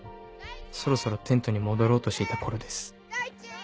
そろそろテントに戻ろうとしていた頃です。